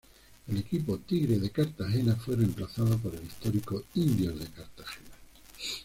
El equipo Tigres de Cartagena fue reemplazado por el histórico Indios de Cartagena.